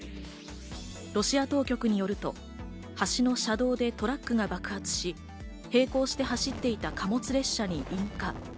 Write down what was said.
ロシア当局によると、橋の車道でトラックが爆発し並行して走っていた貨物列車に引火。